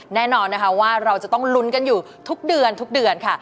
แน่นอนนะคะว่าเราจะต้องลุ้นกันอยู่ทุกเดือนทุกเดือนค่ะ